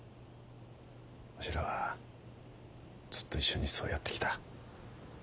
わしらはずっと一緒にそうやってきた。